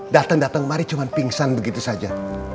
dateng dateng mari cuma pingsan begitu saja